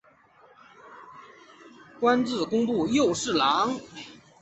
官至工部右侍郎。